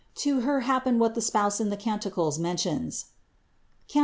To her happened what the Spouse in the Canticles mentions (Cant.